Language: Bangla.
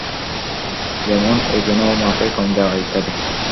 যেমনঃ ওজনে ও মাপে কম দেওয়া ইত্যাদি।